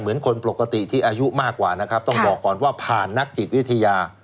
เหมือนคนปกติที่อายุมากกว่านะครับต้องบอกก่อนว่าผ่านนักจิตวิทยา